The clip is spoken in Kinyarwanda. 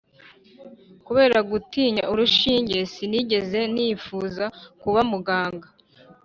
kubera gutinya urushinge sinigeze nifuza kuba muganga.